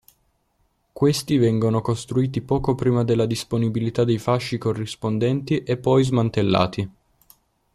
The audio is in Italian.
Questi vengono costruiti poco prima della disponibilità dei fasci corrispondenti e poi smantellati.